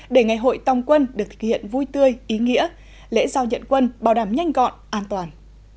để ngày hội tòng quân được thực hiện vui tươi ý nghĩa lễ giao nhận quân bảo đảm nhanh gọn an toàn